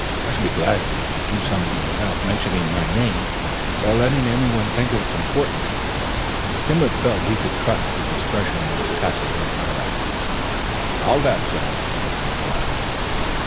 I should be glad if you could do so without mentioning my name, or letting anyone think it is important." He felt he could trust the discretion of this taciturn Highlander. "I'll that, sir," was the reply.